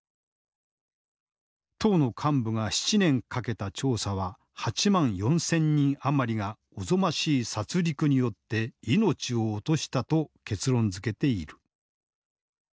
党の幹部が７年かけた調査は８万４，０００人余りがおぞましい殺戮によって命を落としたと結論づけている。